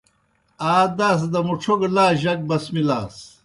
آ داس دہ مُڇھو گہ لا جک بسمِلاس۔